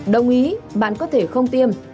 đồng ý bạn có thể không tiêm